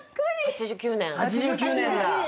８９年だ。